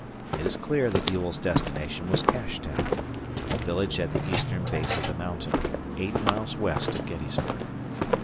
It is clear that Ewell's destination was Cashtown a village at the eastern base of the mountain eight miles west of Gettysburg.